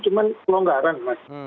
cuma pelonggaran mas